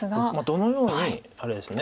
どのようにあれですね。